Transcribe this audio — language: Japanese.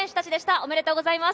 おめでとうございます。